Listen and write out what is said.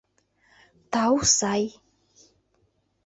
— Тау, сай!